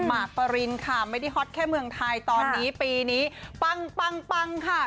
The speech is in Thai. หกปรินค่ะไม่ได้ฮอตแค่เมืองไทยตอนนี้ปีนี้ปังปังค่ะ